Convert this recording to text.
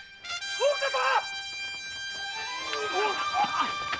大岡様！